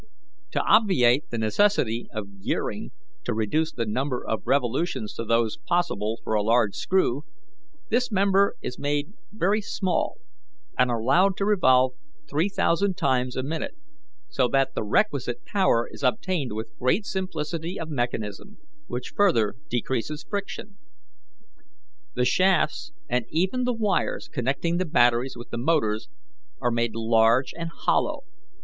"To obviate the necessity of gearing to reduce the number of revolutions to those possible for a large screw, this member is made very small, and allowed to revolve three thousand times a minute, so that the requisite power is obtained with great simplicity of mechanism, which further decreases friction. The shafts, and even the wires connecting the batteries with the motors, are made large and hollow.